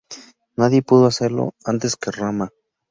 Nadie pudo hacerlo antes que Rama.